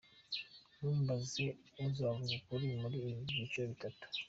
Ntumbaze uzavuga ukuri muri ibi byiciro bitatu.